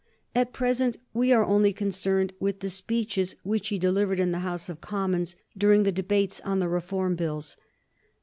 At present we are only concerned with the speeches which he delivered in the House of Commons during the debates on the Reform Bills.